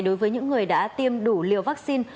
đối với những người đã tiêm đủ liều vaccine